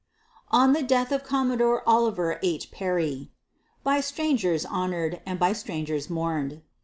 ON THE DEATH OF COMMODORE OLIVER H. PERRY By strangers honor'd, and by strangers mourn'd.